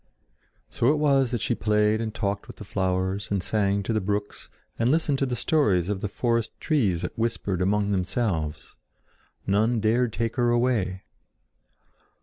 So it was that she played and talked with the flowers and sang to the brooks and listened to the stories of the forest trees that whispered among themselves. None dared take her away.